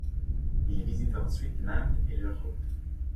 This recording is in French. Il visite ensuite l'Inde et l'Europe.